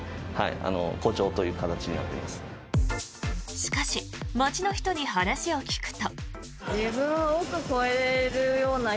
しかし街の人に話を聞くと。